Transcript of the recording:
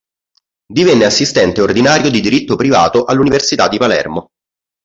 Divenne assistente ordinario di diritto privato all'Università di Palermo.